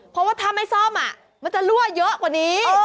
เพราะว่าถ้าไม่ซ่อมมันจะรั่วเยอะกว่านี้